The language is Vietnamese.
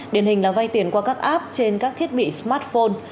điển hình là vay tiền qua các app trên các thiết bị smartphone